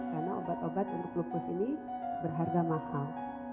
karena obat obat untuk lupus ini berharga mahal